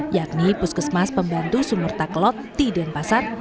yakni puskesmas pembantu sumerta kelot di denpasar